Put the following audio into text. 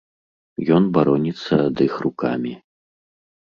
Ён бароніцца ад іх рукамі.